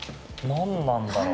何なんだろう。